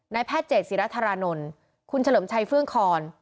แพทย์เจศิรธารานนท์คุณเฉลิมชัยเฟื่องคอน